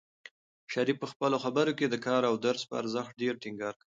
شریف په خپلو خبرو کې د کار او درس په ارزښت ډېر ټینګار کاوه.